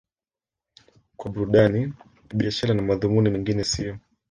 kwa burudani biashara na madhumuni mengine siyo